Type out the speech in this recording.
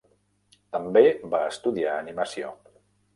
També va estudiar animació.